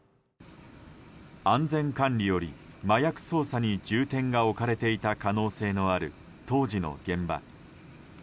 安全管理より麻薬捜査に重点が置かれていた可能性がある当時の現場。